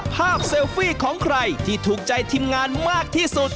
เซลฟี่ของใครที่ถูกใจทีมงานมากที่สุด